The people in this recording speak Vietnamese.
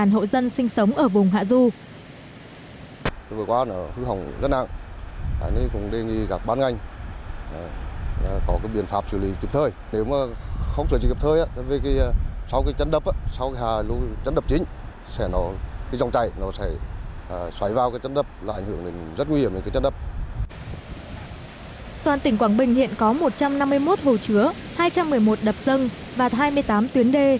toàn tỉnh quảng bình hiện có một trăm năm mươi một hồ chứa hai trăm một mươi một đập dân và hai mươi tám tuyến đê